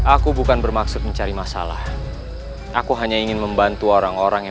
aku bukan bermaksud mencari masalah aku hanya ingin membantu orang orang yang